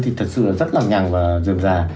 thì thật sự là rất là ngẳng và dườm dà